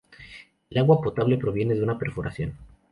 El agua potable proviene de una perforación.